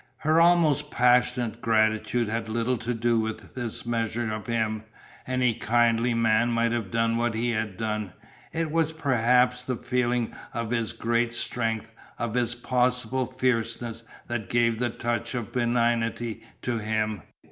Her almost passionate gratitude had little to do with this measure of him; any kindly man might have done what he had done. It was perhaps the feeling of his great strength, of his possible fierceness that gave the touch of benignity to him.